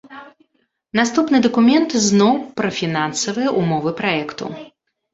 Наступны дакумент зноў пра фінансавыя ўмовы праекту.